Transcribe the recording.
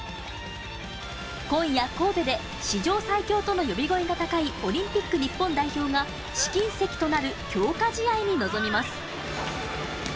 今夜、神戸で史上最強と呼び声が高い、オリンピック日本代表が試金石となる強化試合に臨みます。